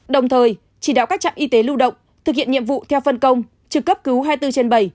đồng thời chỉ đạo các trạm y tế lưu động thực hiện nhiệm vụ theo phân công trực cấp cứu hai mươi bốn trên bảy